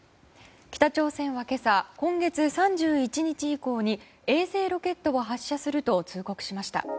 北朝鮮は今朝、今月３１日以降に衛星ロケットを発射すると通告しました。